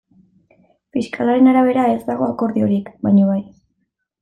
Fiskalaren arabera ez dago akordiorik, baina bai.